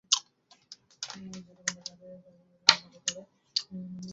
তিনি তার বহু প্রবন্ধে কৃষকদের উপর শোষণ অত্যাচারের চিত্র তুলে ধরেন।